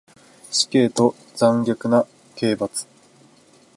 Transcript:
死刑と残虐な刑罰